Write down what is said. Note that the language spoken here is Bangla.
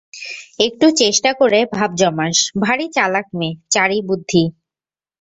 একটু চেষ্টা করে ভাব জমাস, ভারি চালাক মেয়ে, চারি বুদ্ধি।